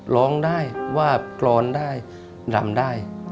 ร้องได้ว่ากรอนได้รำได้